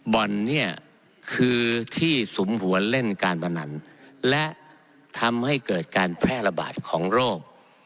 บ่อนเนี่ยคือที่สุมหัวเล่นการพนันและทำให้เกิดการแพร่ระบาดของโรค